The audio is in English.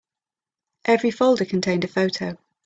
Every folder contained a photo.